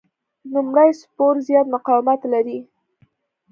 نوموړی سپور زیات مقاومت لري.